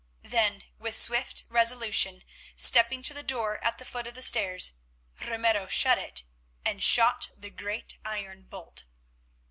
Then, with swift resolution, stepping to the door at the foot of the stairs, Ramiro shut it and shot the great iron bolt!